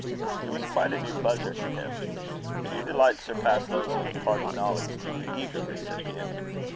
It was quite a new pleasure to him. Few delights surpass those of imparting knowledge to the eager recipient.